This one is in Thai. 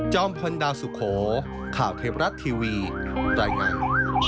พลดาวสุโขข่าวเทพรัฐทีวีรายงาน